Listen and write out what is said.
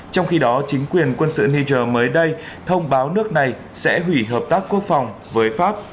trong khi đó chính quyền quân sự niger mới đây thông báo nước này sẽ hủy hợp tác quốc phòng với pháp